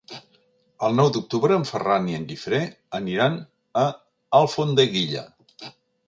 El nou d'octubre en Ferran i en Guifré aniran a Alfondeguilla.